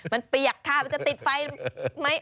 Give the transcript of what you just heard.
มันเปียกค่ะมันจะติดไฟไหม